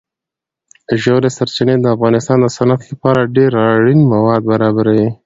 ژورې سرچینې د افغانستان د صنعت لپاره ډېر اړین مواد برابروي.